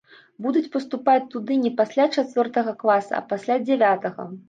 Будуць паступаць туды не пасля чацвёртага класа, а пасля дзявятага.